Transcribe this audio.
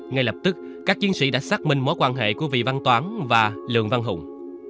ngay lập tức các chiến sĩ đã xác minh mối quan hệ của vị văn toán và lường văn hùng